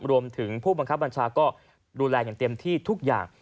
รวมถึงผู้บังคับบัญชาก็ดูแลอย่างเต็มที่ทุกอย่าง